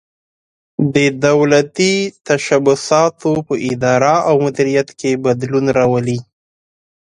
د دولتي تشبثاتو په اداره او مدیریت کې بدلون راولي.